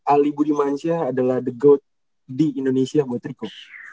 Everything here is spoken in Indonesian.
ali budimansyah adalah the goat di indonesia mutriko